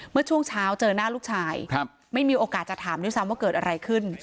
เมื่อช่วงเช้าเจอหน้าลูกชายไม่มีโอกาสจะถามด้วยซ้ำว่าเกิดอะไรขึ้น